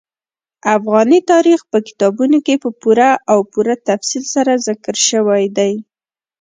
افغاني تاریخ په کتابونو کې په پوره او پوره تفصیل سره ذکر شوی دي.